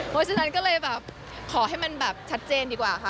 เพราะฉะนั้นก็เลยแบบขอให้มันแบบชัดเจนดีกว่าค่ะ